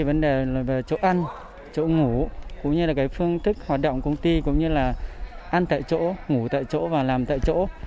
vấn đề về chỗ ăn chỗ ngủ cũng như là phương thức hoạt động công ty cũng như là ăn tại chỗ ngủ tại chỗ và làm tại chỗ